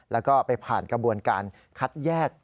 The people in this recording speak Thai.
แล้วก็ไปผ่านกระบวนการคัดแยก